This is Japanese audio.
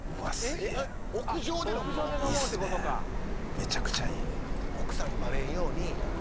めちゃくちゃいいうわっ